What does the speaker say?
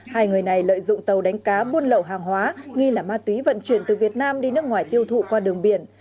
hai người này lợi dụng tàu đánh cá buôn lậu hàng hóa nghi là ma túy vận chuyển từ việt nam đi nước ngoài tiêu thụ qua đường biển